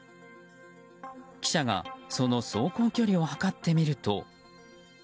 記者が、その走行距離を測ってみると。